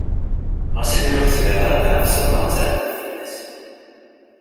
Ɣas akken ur tezmireḍ ara ad t-tɛefseḍ neɣ ad t-ttɛeddiḍ fell-as.